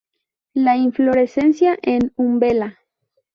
La inflorescencia en umbela.